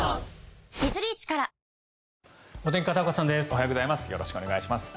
おはようございます。